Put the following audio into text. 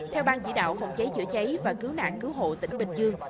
theo bang chỉ đạo phòng cháy chữa cháy và cứu nạn cứu hộ tỉnh bình dương